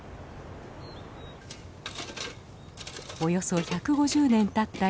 およそ１５０年たった